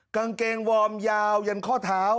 กางเกงวอร์มยาวยันข้อเท้า